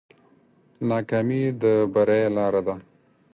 ناکامي د بری لاره ده.